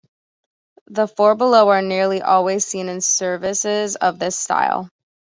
The four below are nearly always seen in services of this style.